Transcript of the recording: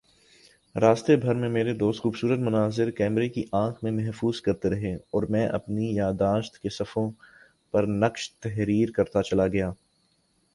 راستے بھر میں میرے دوست خوبصورت مناظر کیمرے کی آنکھ میں محفوظ کرتے رہے اور میں اپنی یادداشت کے صفحوں پر نقش تحریر کرتاچلا گیا